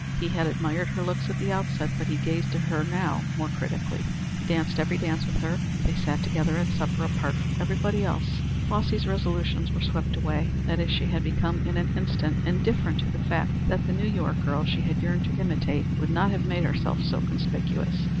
He had admired her looks at the outset, but he gazed at her now more critically. He danced every dance with her, and they sat together at supper, apart from everybody else. Flossy's resolutions were swept away. That is, she had become in an instant indifferent to the fact that the New York girl she had yearned to imitate would not have made herself so conspicuous.